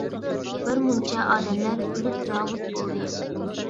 بىر مۇنچە ئادەملەر ئۆلۈپ نابۇت بولدى.